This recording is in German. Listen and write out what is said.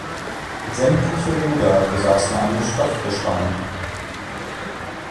Sämtliche Ruder besaßen eine Stoffbespannung.